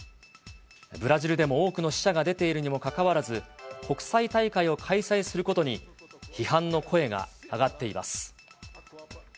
ブラジルでも多くの死者が出ているにもかかわらず、国際大会を開催することに、批判の声が上がっています。